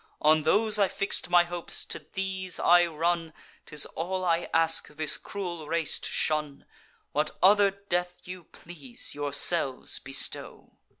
On those I fix'd my hopes, to these I run; 'Tis all I ask, this cruel race to shun; What other death you please, yourselves bestow.